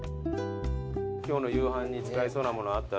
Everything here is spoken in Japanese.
今日の夕飯に使えそうなものあったら言ってください。